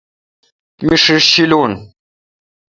می ݭیݭ ݭیلون۔